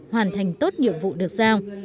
hoàn thành tốt nhiệm vụ được giao